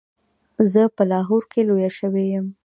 زه په لاهور کې لویه شوې یم.